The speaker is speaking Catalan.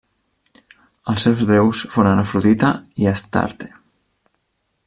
Els seus déus foren Afrodita i Astarte.